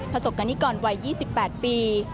ผสกกัณฑิกรวัย๒๘ปี